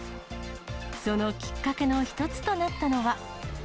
そのきっかけの一つとなったのは。